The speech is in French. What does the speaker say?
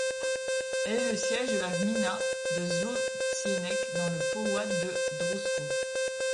Elle est le siège de la gmina de Złocieniec, dans le powiat de Drawsko.